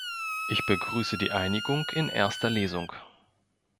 Ich begrüße die Einigung in erster Lesung.